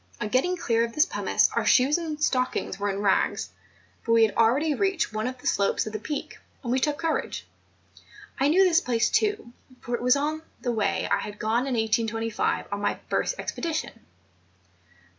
On getting clear of this pumice our shoes and stockings were in rags ; but we had already reached one of the slopes of the Peak, and we took courage. I knew this place too, for it was the way I had gone in 1825 on my first expedition.